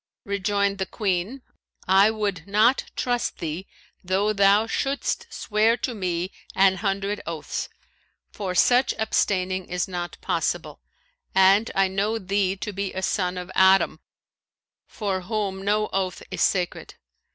Rejoined the Queen, "I would not trust thee though thou shouldst swear to me an hundred oaths; for such abstaining is not possible, and I know thee to be a son of Adam for whom no oath is sacred.